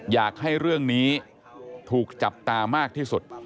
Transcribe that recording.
อยากให้เรื่องนี้ถูกจับตามากที่สุด